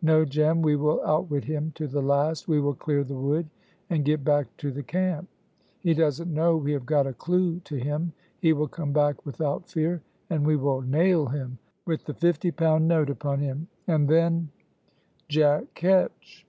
No, Jem, we will outwit him to the last. We will clear the wood and get back to the camp. He doesn't know we have got a clew to him. He will come back without fear, and we will nail him with the fifty pound note upon him. And then Jack Ketch."